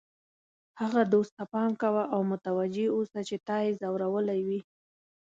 هغه دوست ته پام کوه او متوجه اوسه چې تا یې ځورولی وي.